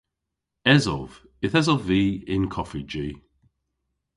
Esov. Yth esov vy y'n koffiji.